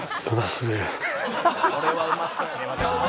「これはうまそうやな」